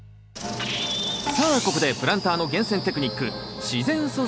さあここでプランターの厳選テクニック